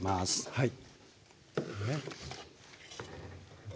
はい。